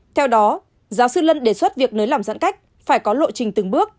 theo đó giáo sư lân đề xuất việc nới lỏng giãn cách phải có lộ trình từng bước